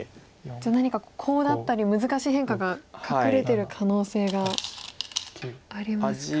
じゃあ何かコウだったり難しい変化が隠れてる可能性がありますか。